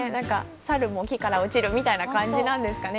猿も木から落ちるみたいな感じなんですかね。